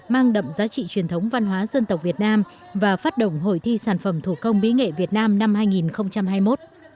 mang đậm giá trị truyền thống văn hóa dân tộc việt nam và phát động hội thi sản phẩm thủ công mỹ nghệ việt nam năm hai nghìn hai mươi một